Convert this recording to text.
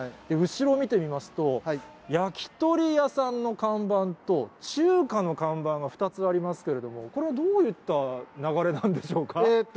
後ろを見てみますと、焼き鳥屋さんの看板と、中華の看板が２つありますけれども、これはどういった流れなんでしょうか？